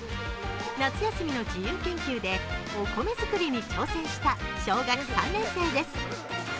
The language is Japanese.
夏休みの自由研究でお米作りに挑戦した小学３年生です。